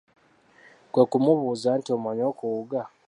Kwe kumubuuza nti, omanyi okuwuga?